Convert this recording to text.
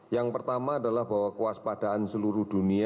yang pertama adalah bahwa kewaspadaan seluruh dunia